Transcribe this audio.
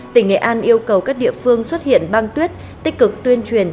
tỉnh nghệ an yêu cầu các địa phương xuất hiện băng tuyết tích cực tuyên truyền